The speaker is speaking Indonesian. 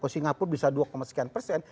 singapura bisa dua sekian persen